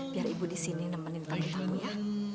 biar ibu disini nemenin tamu tamu ya